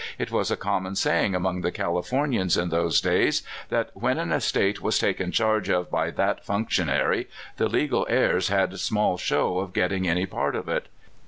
It was a common saying among tlie Californians in those days, that when an estate was taken charge of by that functionaryj the legal heirs had small show of getting any part of it.